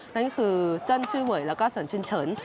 นั่นก็คือเจิ้นชื่อเวยแล้วก็สนชุนเฉิน